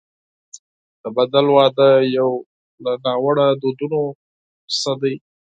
د بدل واده یو له ناوړه دودونو څخه دی.